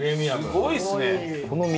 すごいですね！